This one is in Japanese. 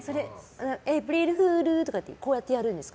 エイプリルフールとかってこうやってやるんですか？